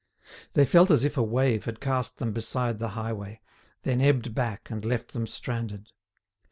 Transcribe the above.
They felt as if a wave had cast them beside the highway, then ebbed back and left them stranded.